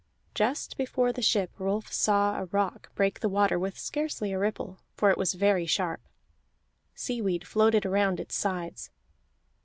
Just before the ship, Rolf saw a rock break the water with scarcely a ripple, for it was very sharp; sea weed floated around its sides.